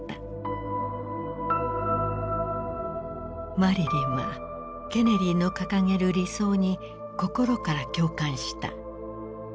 マリリンはケネディの掲げる理想に心から共感した。